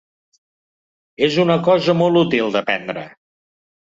És una cosa molt útil d'aprendre.